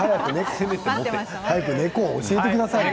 早くネコを教えてくださいよ。